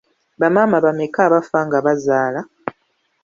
Bamaama bameka abafa nga bazaala?